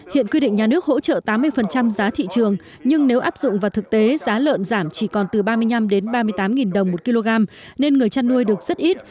hiện quy định nhà nước hỗ trợ tám mươi giá thị trường nhưng nếu áp dụng vào thực tế giá lợn giảm chỉ còn từ ba mươi năm đến ba mươi tám đồng một kg nên người chăn nuôi được rất ít